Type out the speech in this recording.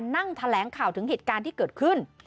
นั่งแถลงข่าวถึงเหตุการณ์ที่เกิดขึ้น